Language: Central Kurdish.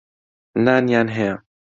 نانیان هەیە.